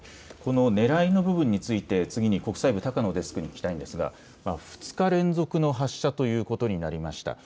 ねらいの部分について次に国際部、高野デスクに聞きたいんですが２日連続の発射ということになりました。